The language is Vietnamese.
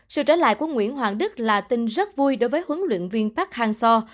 sự trở lại của nguyễn hoàng đức là tin rất vui đối với huấn luyện viên park hang seo